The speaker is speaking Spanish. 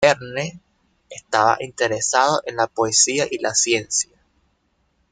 Verne estaba interesado en la poesía y la ciencia.